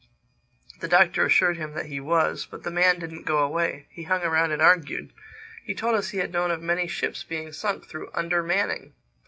The Doctor assured him that he was; but the man didn't go away. He hung around and argued. He told us he had known of many ships being sunk through "undermanning."